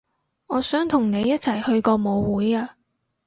我想同你一齊去個舞會啊